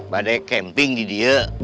bagi kemping di dia